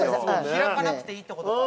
◆開かなくていいってことか。